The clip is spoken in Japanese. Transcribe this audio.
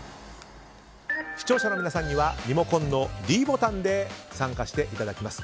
視聴者の皆さんにはリモコンのｄボタンで参加していただきます。